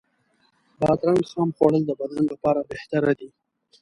بادرنګ خام خوړل د بدن لپاره بهتر دی.